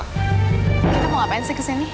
kita mau ngapain sih kesini